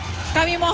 butik luar biasa